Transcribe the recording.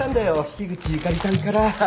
樋口ゆかりさんから。